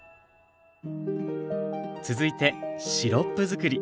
続いてシロップづくり。